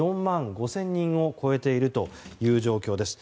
４万５０００人を超えているという状況です。